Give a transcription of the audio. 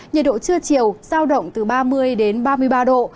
nhiệt độ trưa chiều giao động từ ba mươi đến ba mươi ba độ